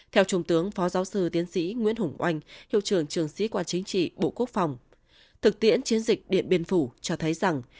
theo trung tướng phó giáo sư tiến sĩ nguyễn hùng oanh hiệu trưởng trường sĩ quan chính trị bộ quốc phòng thực tiễn chiến dịch điện biên phủ cho thấy rằng